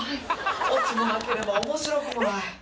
オチもなければ面白くもない。